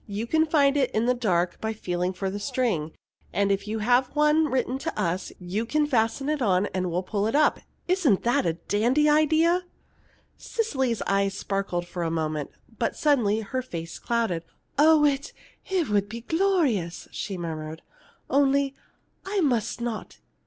You can find it in the dark by feeling for the string, and if you have one written to us, you can fasten it on, and we'll pull it up. Isn't that a dandy idea?" Cecily's eyes sparkled for a moment, but suddenly her face clouded. "Oh, it it would be glorious!" she murmured. "Only I must not.